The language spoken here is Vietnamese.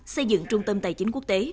xây dựng trung tâm tài chính quốc tế